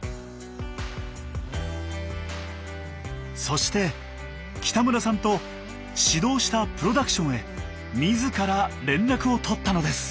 そして北村さんと指導したプロダクションへ自ら連絡を取ったのです。